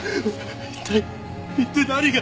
一体一体何が。